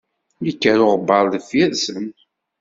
Ikker uɣebbaṛ deffir-sen.